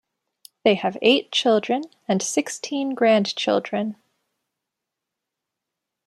They have eight children and sixteen grandchildren.